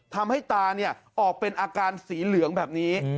ทำให้ตาออกเป็นอาการสีเหลืองแบบนี้